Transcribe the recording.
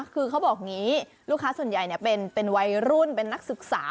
คือเขาบอกอย่างนี้ลูกค้าส่วนใหญ่เป็นวัยรุ่นเป็นนักศึกษา